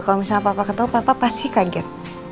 kalau misalnya papa ketemu papa pasti kaget